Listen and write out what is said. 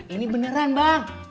ini beneran bang